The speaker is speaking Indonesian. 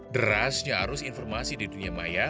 derasnya arus informasi di dunia maya